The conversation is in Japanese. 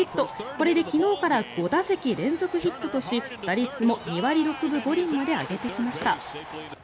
これで昨日から５打席連続ヒットとし打率も２割６分５厘まで上げてきました。